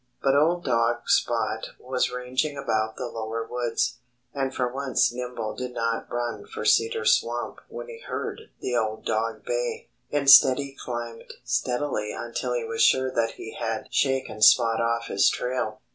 But old dog Spot was ranging about the lower woods. And for once Nimble did not run for Cedar Swamp when he heard the old dog bay. Instead he climbed steadily until he was sure that he had shaken Spot off his trail.